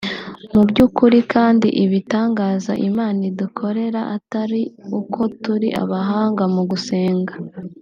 Mu by’ukuri kandi ibi bitangaza Imana idukorera atari uko turi abahanga mu gusenga